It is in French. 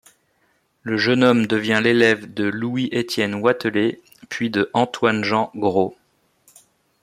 Le jeune-homme devient l'élève de Louis Étienne Watelet puis de Antoine-Jean Gros.